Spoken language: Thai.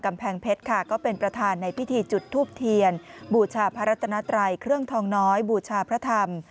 กำแพงเพชรค่ะก็เป็นประธานในพิธีจุดทูบเทียนบูชาพระรัตนัตรัยเครื่องทองน้อยบูชาพระธรรม